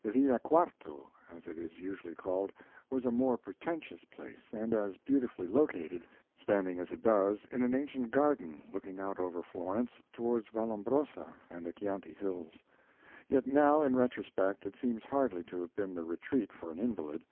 The Villa Quarto, as it is usually called, was a more pretentious place and as beautifully located, standing as it does in an ancient garden looking out over Florence toward Vallombrosa and the Chianti hills. Yet now in the retrospect, it seems hardly to have been the retreat for an invalid.